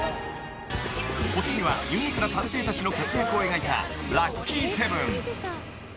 ［お次はユニークな探偵たちの活躍を描いた『ラッキーセブン』］